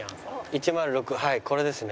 １０６はいこれですね。